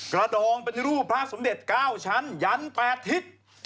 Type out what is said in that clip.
กระดองเป็นรูปพระสมเด็จ๙ชั้นยัน๘ทิศ